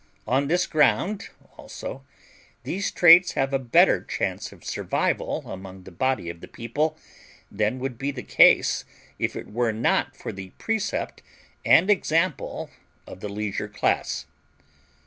On this ground also these traits have a better chance of survival among the body of the people than would be the case if it were not for the precept and example of the leisure class.